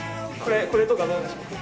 これとかどうでしょうか？